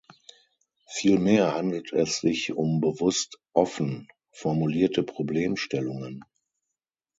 Viel mehr handelt es sich um bewusst "offen" formulierte Problemstellungen.